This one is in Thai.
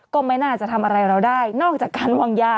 ก็ไม่น่าจะทำอะไรเราได้นอกจากการวางยา